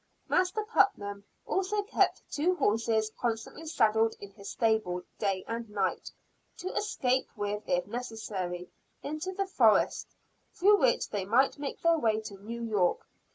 Master Putnam also kept two horses constantly saddled in his stable, day and night, to escape with if necessary, into the forest, through which they might make their way to New York.